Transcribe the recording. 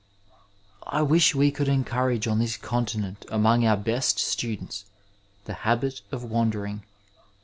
I wish we could encourage on this continent among our best students the habit of wandering.